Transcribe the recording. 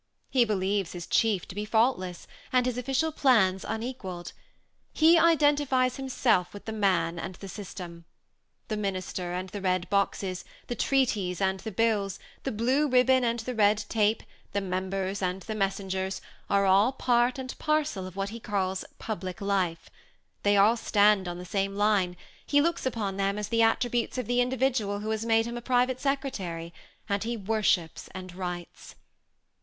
He believes his chief to be faultless, and his ofiicial plans to be unequalled. He identifies himself with the man and the system. The minister and the red boxes, the treaties and the bills, the blue ribbon and the red tape, the members and the messengers, are all part and parcel of what he calls public life; they all stand on the same line; he looks upon them as the attributes of the individual who 186 THE SEMI ATTACHED COUPLE, has made him a private secretary ; and he worships and writes.